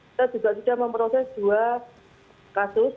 kita juga sudah memproses dua kasus